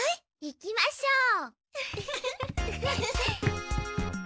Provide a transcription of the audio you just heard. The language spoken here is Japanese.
行きましょう。